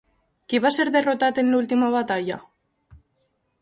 Qui va ser derrotat en l'última batalla?